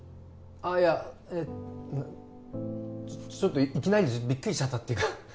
ああいやえっちょっといきなりでビックリしちゃったっていうか